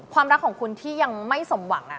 รักของคุณที่ยังไม่สมหวัง